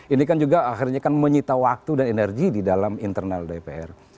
ini kan juga akhirnya kan menyita waktu dan energi di dalam internal dpr